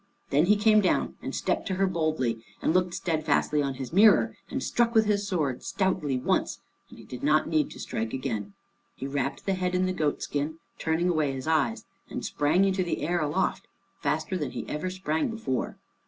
Then he came down and stepped to her boldly, and looked steadfastly on his mirror, and struck with his sword stoutly once, and he did not need to strike again. He wrapped the head in the goat skin, turning away his eyes, and sprang into the air aloft, faster than he ever sprang before.